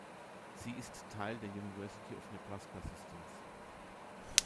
Sie ist Teil des University of Nebraska-Systems.